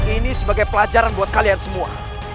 ini sebagai pelajaran buat kalian semua